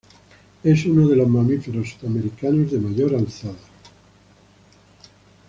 Es uno de los mamíferos sudamericanos de mayor alzada.